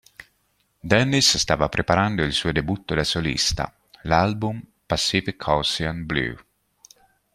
Dennis stava preparando il suo debutto da solista, l'album "Pacific Ocean Blue".